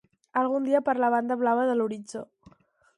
Algun dia per la banda blava de l'horitzó...